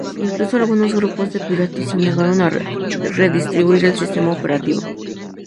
Incluso algunos grupos de piratas se negaron a redistribuir el sistema operativo.